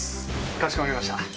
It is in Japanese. かしこまりました。